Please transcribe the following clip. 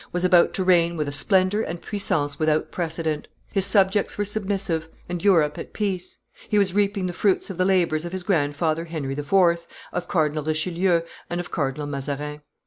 was about to reign with a splendor and puissance without precedent; his subjects were submissive and Europe at peace; he was reaping the fruits of the labors of his grandfather Henry IV., of Cardinal Richelieu, and of Cardinal Mazarin.